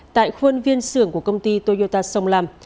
tại khuôn viên xưởng của công ty toyota sông lam